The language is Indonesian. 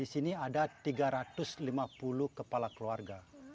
di sini ada tiga ratus lima puluh kepala keluarga